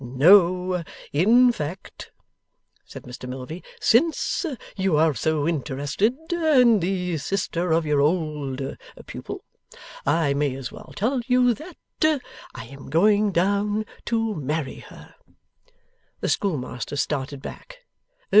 'No. In fact,' said Mr Milvey, 'since you are so interested in the sister of your old pupil, I may as well tell you that I am going down to marry her.' The schoolmaster started back.